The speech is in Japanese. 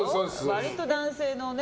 割と男性のね。